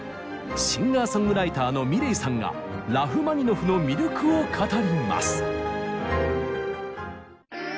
シンガーソングライターのｍｉｌｅｔさんがラフマニノフの魅力を語ります。